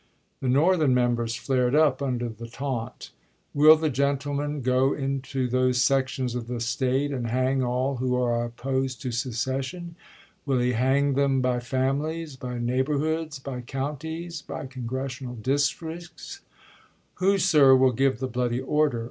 The northern members flared up under the taunt. "Will the gentleman go into those sections of the State and hang all who are opposed to secession 1 Will he hang them by families, by neighborhoods, by counties, by Con gressional districts 1 Who, sir, will give the bloody order?